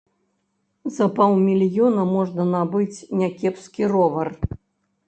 За паўмільёна можна набыць някепскі ровар.